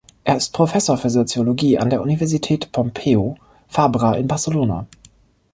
Er ist Professor für Soziologie an der Universität Pompeu Fabra in Barcelona.